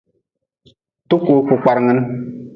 Tukuu ku kparngin.